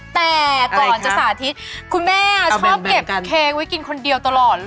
แต่ก่อนจะสาธิตคุณแม่ชอบเก็บเค้กไว้กินคนเดียวตลอดเลย